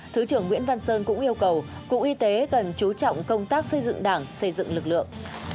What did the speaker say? thứ trưởng nguyễn văn sơn cũng yêu cầu cục y tế cần chú trọng công tác xây dựng đảng xây dựng lực lượng